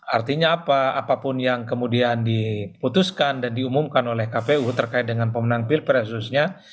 artinya apa apapun yang kemudian diputuskan dan diumumkan oleh kpu terkait dengan pemenang pilpres khususnya